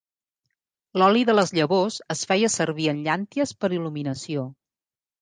L'oli de les llavors es feia servir en llànties per il·luminació.